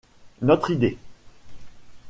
Notre idée